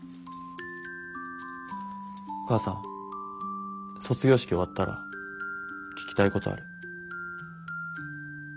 母さん卒業式終わったら聞きたいことある。